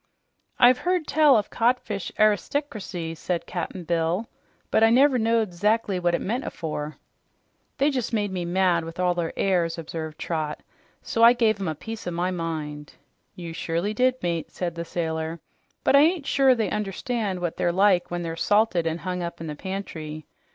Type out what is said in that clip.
"I've heard tell of codfish aristocracy," said Cap'n Bill, "but I never knowed 'zac'ly what it meant afore." "They jus' made me mad with all their airs," observed Trot, "so I gave 'em a piece of my mind." "You surely did, mate," said the sailor, "but I ain't sure they understand what they're like when they're salted an' hung up in the pantry.